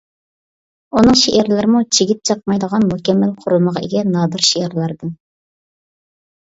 ئۇنىڭ شېئىرلىرىمۇ چىگىت چاقمايدىغان مۇكەممەل قۇرۇلمىغا ئىگە نادىر شېئىرلاردىن.